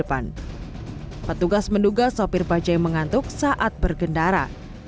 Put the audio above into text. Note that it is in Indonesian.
petugas menduga sopir bajai mengantuk saat bergendara